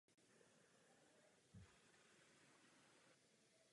Prodeje do ostatních zemí zastřešuje region International.